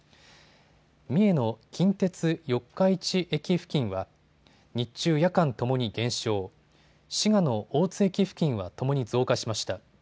三重の近鉄四日市駅付近は日中・夜間ともに減少、滋賀の大津駅付近はともに増加しました。